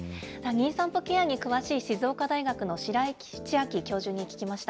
妊産婦ケアに詳しい静岡大学の白井千晶教授に聞きました。